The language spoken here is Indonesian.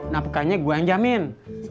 nafukannya gue anjamin